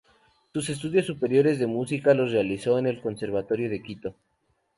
Sus estudios superiores de música los realizó en el Conservatorio de Quito.